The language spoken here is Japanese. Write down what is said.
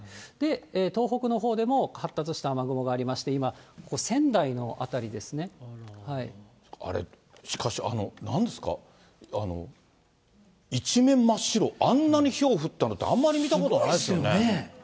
東北のほうでも発達した雨雲がありまして、今、しかし、なんですか、一面真っ白、あんなにひょう降ったのって、すごいですよね。